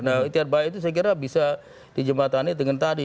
nah ikhtiar baik itu saya kira bisa dijembatani dengan tadi